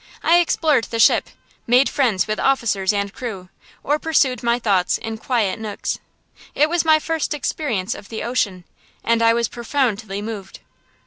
I explored the ship, made friends with officers and crew, or pursued my thoughts in quiet nooks. It was my first experience of the ocean, and I was profoundly moved.